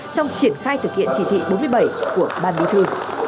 trong triển khai thực hiện chỉ thị bốn mươi bảy của ban bí thư